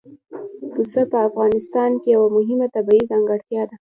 پسه د افغانستان یوه مهمه طبیعي ځانګړتیا ده.